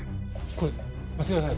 これ間違いない。